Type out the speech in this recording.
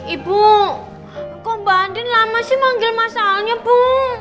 ibu kok mbak andin lama sih manggil mas alnya bu